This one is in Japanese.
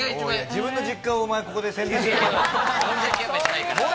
自分の実家をお前、ここで宣伝して。